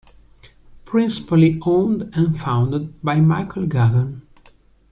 Principally owned and founded by Michael Gaughan.